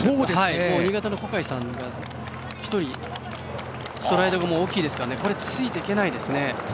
新潟の小海さんが１人でストライドも大きいですからついていけないですね。